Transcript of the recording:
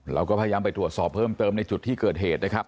เราก็พยายามไปตรวจสอบเพิ่มเติมในจุดที่เกิดเหตุนะครับ